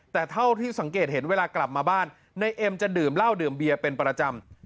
แต่เท่าที่สังเกตเห็นเวลากลับมาบ้านนายเอ็มจะดื่มเหล้าดื่มเบียร์เป็นประจำ